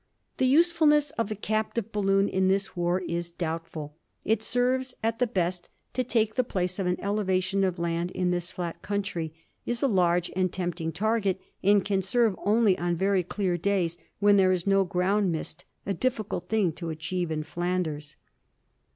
The usefulness of the captive balloon in this war is doubtful. It serves, at the best, to take the place of an elevation of land in this flat country, is a large and tempting target, and can serve only on very clear days, when there is no ground mist a difficult thing to achieve in Flanders.